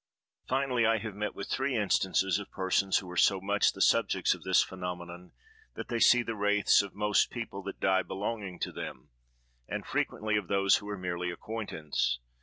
Finally, I have met with three instances of persons who are so much the subjects of this phenomenon, that they see the wraiths of most people that die belonging to them, and frequently of those who are merely acquaintance.